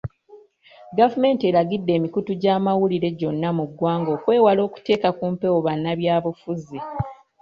Gavumenti eragidde emikutu gy'amawulire gyonna mu ggwanga okwewala okuteeka ku mpewo bannabyabufuzi.